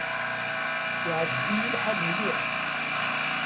Iεǧeb-iyi lḥal mliḥ.